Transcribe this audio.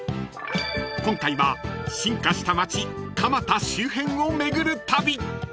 ［今回は進化した街蒲田周辺を巡る旅］